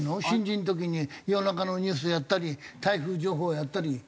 新人の時に夜中のニュースやったり台風情報やったり。